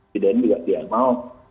tidak ada yang mau